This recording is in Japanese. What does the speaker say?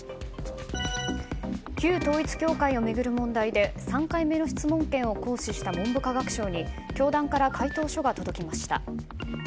旧統一教会を巡る問題で３回目の質問権を行使した文部科学省に教団から回答書が届きました。